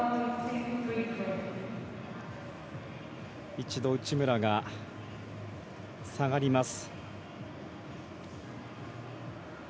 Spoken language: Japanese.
一度、内村が下がります。